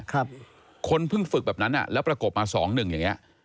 คนเพิ่งฝึกแบบนั้นแล้วประกบมา๒๑อย่างนี้